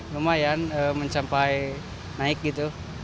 lumayan mencapai naik gitu